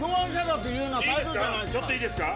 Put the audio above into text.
ちょっといいですか。